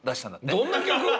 どんな曲？